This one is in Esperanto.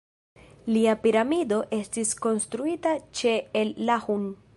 Lia piramido estis konstruita ĉe El-Lahun.